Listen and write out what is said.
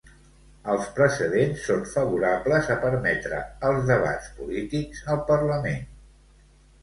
Els precedents són favorables a permetre els debats polítics al Parlament.